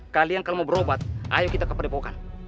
kalian kalau mau berobat ayo kita ke padepokan